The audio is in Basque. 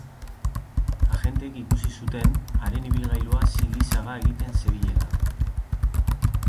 Agenteek ikusi zuten haren ibilgailua sigi-saga egiten zebilela.